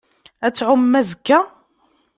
Ad tɛummem azekka?